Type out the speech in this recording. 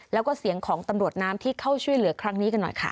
แล้วก็เสียงของตำรวจน้ำที่เข้าช่วยเหลือครั้งนี้กันหน่อยค่ะ